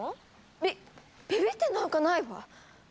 びびびってなんかないわ！